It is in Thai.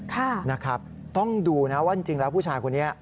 ค่ะนะครับต้องดูนะว่าจริงแล้วผู้ชายคนนี้